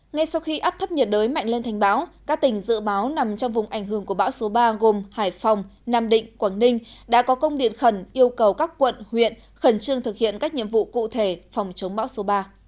ngay sau khi áp thấp nhiệt đới mạnh lên thành bão các tỉnh dự báo nằm trong vùng ảnh hưởng của bão số ba gồm hải phòng nam định quảng ninh đã có công điện khẩn yêu cầu các quận huyện khẩn trương thực hiện các nhiệm vụ cụ thể phòng chống bão số ba